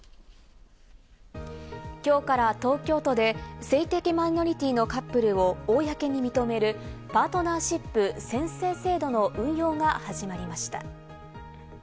今日から東京都で性的マイノリティーのカップルを公に認める、パートナーシップ宣誓制度の運用が始まりました。